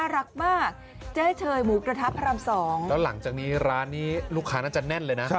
แล้วหลังจากนี้ร้านนี่ลูกคาน่ะจะแน่นเลยค่ะ